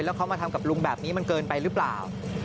แล้วเขามาทำกับลุงแบบนี้มันเกินไปหรือเปล่า